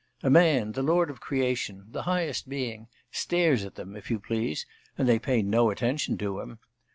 A man the lord of creation, the highest being, stares at them, if you please, and they pay no attention to him.